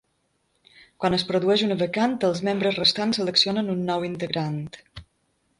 Quan es produeix una vacant, els membres restants seleccionen un nou integrant.